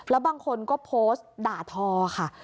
แล้วบางคนก็โพสต์ด่าทอค่ะ